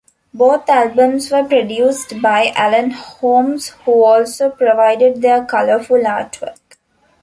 Both albums were produced by Alan Holmes who also provided their colourful artwork.